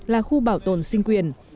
là khu bảo tồn sinh quyền